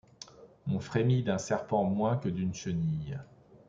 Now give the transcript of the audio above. On frémit d’un serpent moins que d’une chenille.